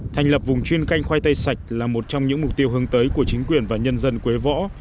thành lập vùng chuyên canh khoai tây sạch là một trong những mục tiêu hướng tới của chính quyền và nhân dân quế võ